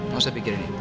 gak usah pikirin itu